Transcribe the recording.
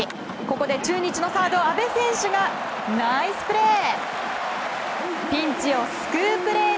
ここで中日のサード阿部選手がナイスプレー。